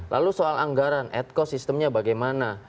lalu soal anggaran ad cost sistemnya bagaimana